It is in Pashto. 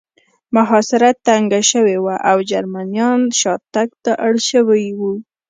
محاصره تنګه شوې وه او جرمنان شاتګ ته اړ شوي وو